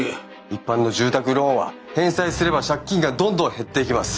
一般の住宅ローンは返済すれば借金がどんどん減っていきます。